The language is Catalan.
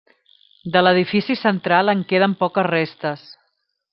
De l'edifici central en queden poques restes.